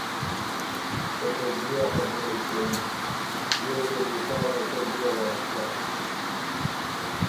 که ته زلی ا خبُره ل کېم، بيې ر دی بو سا موقع ګُده واک سَۀ“